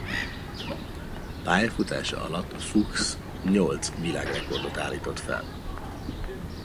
Pályafutása alatt Fuchs nyolc világrekordot állított fel.